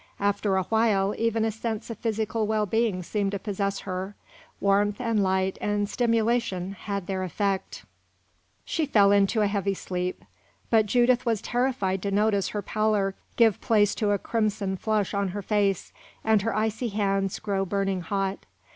After a while even a sense of physical well being seemed to possess her; warmth and light and stimulation had their effect. She fell into a heavy sleep, but Judith was terrified to notice her pallor give place to a crimson flush on her face, and her icy hands grow burning hot.